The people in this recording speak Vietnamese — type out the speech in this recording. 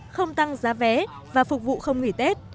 không tăng giá vé và phục vụ không nghỉ tết